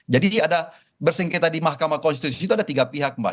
jadi ada bersengketa di mahkamah konstitusi itu ada tiga pihak mbak